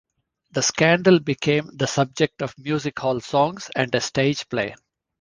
The scandal became the subject of music hall songs and a stage play.